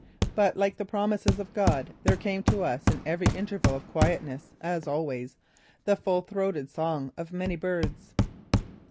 But like the promise of God there came to us in every interval of quietness, as always, the full throated song of many birds.